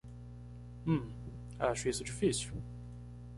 Hum, acho isso difícil.